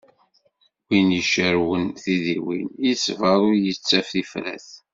Win icerwen tidiwin, yeṣber ur yettaf tifrat.